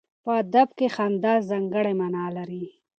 په ادب کې خندا ځانګړی معنا لري.